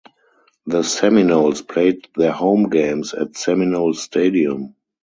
The Seminoles played their home games at Seminole Stadium.